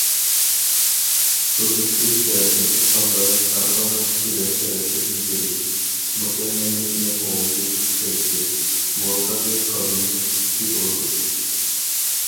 سۇبيېكتىپ جەھەتتىن ئېيتقاندا، ھەرقانداق كىشىدە شەرەپكە ئىنتىلىش، مۇكەممەللىكنى قوغلىشىش پىسخىكىسى، مۇۋەپپەقىيەت قازىنىش ئىستىكى بولىدۇ.